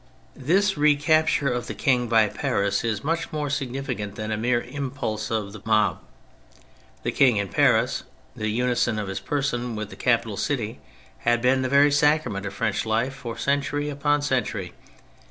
This recapture of the King by Paris is much more significant than a mere impulse of the mob. The King in Paris, the unison of his person with the capital city, had been the very sacrament of French life for century upon century.